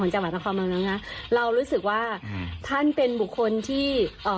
ของจังหวัดนครมาโลกน้ำนะครับเรารู้สึกว่าท่านเป็นบุคคลที่